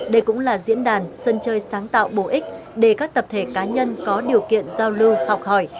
đây cũng là diễn đàn sân chơi sáng tạo bổ ích để các tập thể cá nhân có điều kiện giao lưu học hỏi